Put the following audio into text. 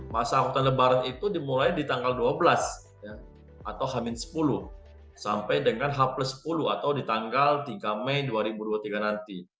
masa angkutan lebaran itu dimulai di tanggal dua belas atau h sepuluh sampai dengan h sepuluh atau di tanggal tiga mei dua ribu dua puluh tiga nanti